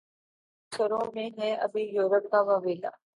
بہت نیچے سروں میں ہے ابھی یورپ کا واویلا